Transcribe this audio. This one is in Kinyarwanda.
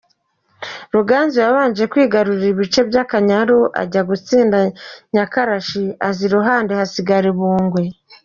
Ruganzu yabanje kwigarurira ibice by’Akanyaru, ajya gutsinda Nyakarashi, aza i Ruhande, hasigara Ubungwe.